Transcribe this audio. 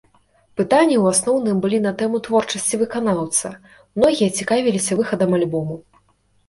Пытанні ў асноўным былі на тэму творчасці выканаўца, многія цікавіліся выхадам альбому.